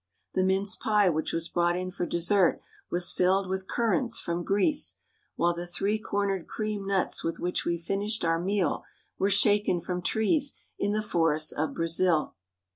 The mince pie which was brought in for dessert was filled with currants from Greece, while the three cornered cream nuts with which we finished our meal were shaken from trees in the forests of Brazil.